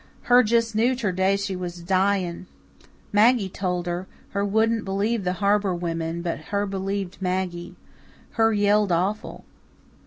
Her just knew ter day her was dying. Maggie told her her wouldn't believe the harbour women, but her believed Maggie. Her yelled awful."